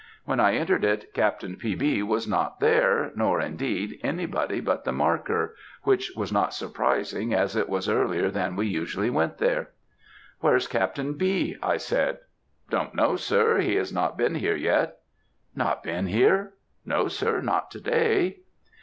When I entered it, Captain P. B. was not there, nor, indeed, anybody but the marker which was not surprising, as it was earlier than we usually went there. "'Where's Captain B?' I said. "'Don't know, sir; he has not been here yet.' "'Not been here?' "'No, sir, not to day.'